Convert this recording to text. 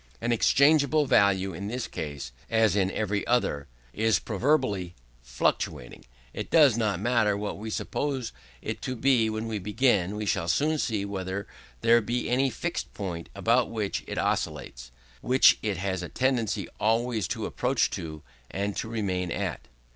As exchangeable value in this case, as in every other, is proverbially fluctuating, it does not matter what we suppose it to be when we begin; we shall soon see whether there be any fixed point about which it oscillates which it has a tendency always to approach to, and to remain at.